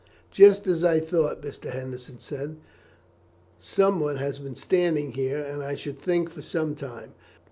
"Just as I thought," Mr. Henderson said. "Someone has been standing here, and, I should think, for some little time.